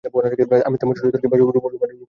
আমি তেমন সুচতুর কিংবা রোমান্টিক কেউ নই!